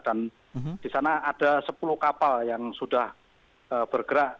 dan di sana ada sepuluh kapal yang sudah bergerak